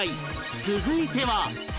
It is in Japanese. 続いては